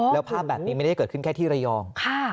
แล้วภาพแบบนี้ไม่ได้เกิดขึ้นแค่ที่ระยอง